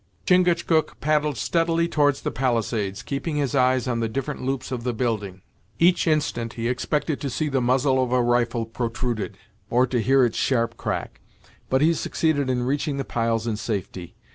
Chingachgook paddled steadily towards the palisades, keeping his eyes on the different loops of the building. Each instant he expected to see the muzzle of a rifle protruded, or to hear its sharp crack; but he succeeded in reaching the piles in safety.